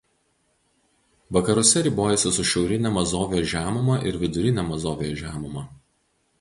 Vakaruose ribojasi su Šiaurine Mazovijos žemuma ir Vidurine Mazovijos žemuma.